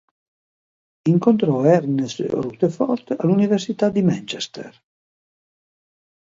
Incontrò Ernest Rutherford all'università di Manchester.